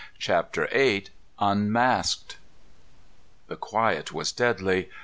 CHAPTER VIII. UNMASKED. The quiet was deadly.